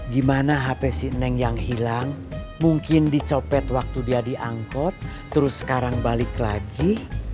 gimana hp si neng yang hilang mungkin dicopet waktu dia diangkot terus sekarang balik lagi